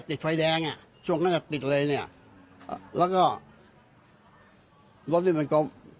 รถติดเลยให้ถอยแดง